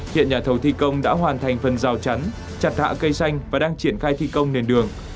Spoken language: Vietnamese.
hiện nhà thầu thi công đã hoàn thành phần rào chắn chặt hạ cây xanh và đang triển khai thi công nền đường